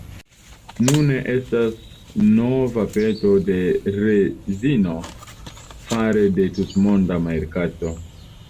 Nune estas nova peto de rezino fare de tutmonda merkato.